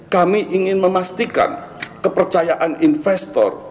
kami ingin memastikan kepercayaan investor